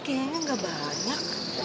kayaknya ga banyak